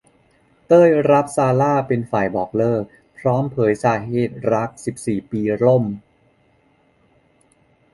เต้ย รับ ซาร่า เป็นฝ่ายบอกเลิก พร้อมเผยสาเหตุรัก สิบสี่ ปีล่ม